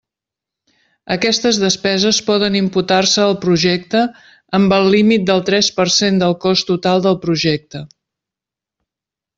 Aquestes despeses poden imputar-se al projecte amb el límit del tres per cent del cost total del projecte.